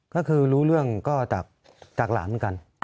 ก็คือรู้เรื่องก็จากหลานเหมือนกัน